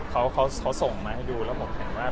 เขาเขาส่งมาให้ดูแล้วผมเห็นว่า